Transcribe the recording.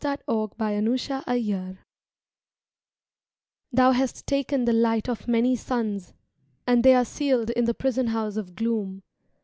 i /( 8^ (W TO THE DARKNESS Thou hast taken the light of many suns. And they are sealed in the prison house of gloom.